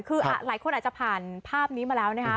คือหลายคนอาจจะผ่านภาพนี้มาแล้วนะคะ